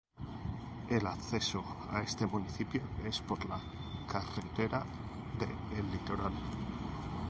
El acceso a este municipio es por la Carretera de El Litoral.